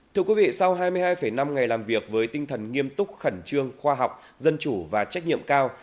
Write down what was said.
thưa quý vị sau hai mươi hai năm ngày làm việc với tinh thần nghiêm túc khẩn trương khoa học dân chủ và trách nhiệm cao